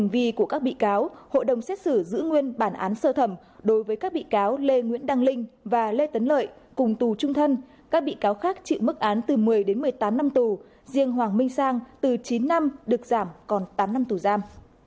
với các bị cáo lê nguyễn đăng linh và lê tấn lợi cùng tù trung thân các bị cáo khác chịu mức án từ một mươi đến một mươi tám năm tù riêng hoàng minh sang từ chín năm được giảm còn tám năm tù giam